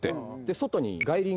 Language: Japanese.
外に。